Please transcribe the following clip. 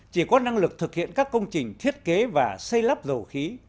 chỉ có năng lực thực hiện các công trình thiết kế và xây lắp dầu khí